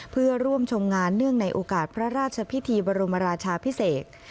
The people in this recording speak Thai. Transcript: เพื่อร่วมชมงานเนื่องในโอกาสพระราชพิธีบรมราชาพิเศษ